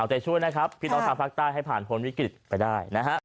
ใจช่วยนะครับพี่น้องทางภาคใต้ให้ผ่านพ้นวิกฤตไปได้นะฮะ